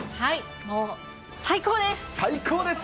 もう最高です。